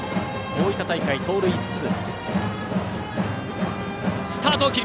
大分大会では盗塁５つ。